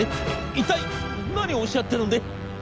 一体何をおっしゃってるんで？』。